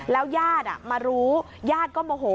แล้วยาดมารู้ยาดก็โมโห